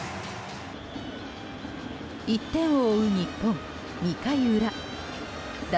１点を追う日本、２回裏打